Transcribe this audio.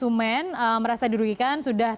ini akan mengalami jatengan tersebut